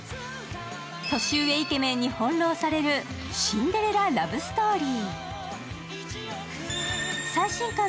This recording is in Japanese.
年上イケメンに翻弄されるシンデレララブストーリー。